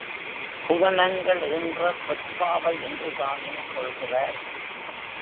புவனங்கள் ஈன்ற பொற்பாவை என்றுதானே சொல்கிறார்?